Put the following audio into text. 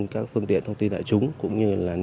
các phương tiện thông tin đại chúng cũng như